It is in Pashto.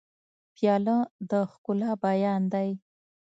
پیاله د ښکلا بیان دی.